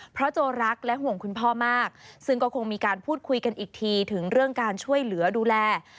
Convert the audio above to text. เพราะโจรักและห่วงคุณพ่อมากซึ่งก็คงมีการพูดคุยกันอีกทีถึงเรื่องการช่วยเหลือดูแล